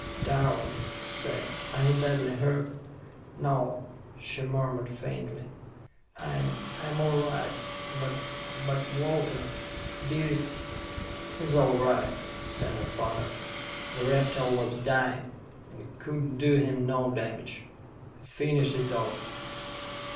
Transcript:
"Darling," he said, "are you badly hurt?" "No," she murmured faintly. "I'm I'm all right. But but Walter did it " "He's all right," said her father. "The reptile was dying, and could do him no damage. We finished it off."